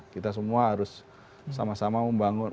kita semua harus sama sama membangun